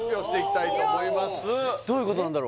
どういうことなんだろ？